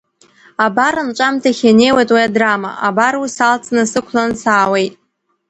Абар, анҵәамҭахь инеит уи адрама, абар, уи салҵны, сықәлан саауеит!